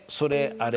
「あれ」